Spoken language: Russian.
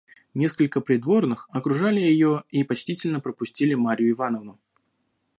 Несколько придворных окружали ее и почтительно пропустили Марью Ивановну.